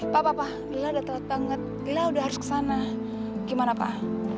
pak papa lila udah telat banget lila udah harus kesana gimana pak